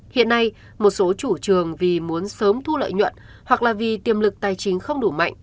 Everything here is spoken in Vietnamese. hiện nay một số chủ trường vì muốn sớm thu lợi nhuận hoặc là vì tiềm lực tài chính không đủ mạnh